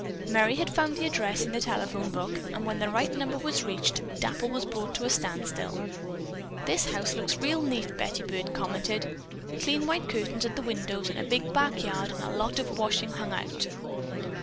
Merry had found the address in the telephone book, and when the right number was reached, Dapple was brought to a standstill. "This house looks real neat," Betty Byrd commented. "Clean white curtains at the windows and a big backyard, and a lot of washing hung out."